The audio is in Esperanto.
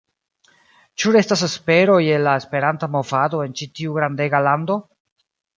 Ĉu restas espero je la Esperanta movado en ĉi tiu grandega lando?